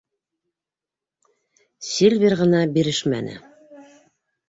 Сильвер ғына бирешмәне.